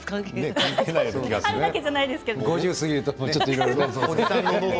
５０過ぎるとねいろいろね。